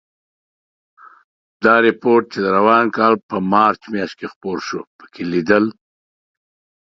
دا رپوټ چې د روان کال په مارچ میاشت کې خپور شو، پکې لیدل